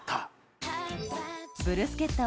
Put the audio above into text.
ブルスケッタ？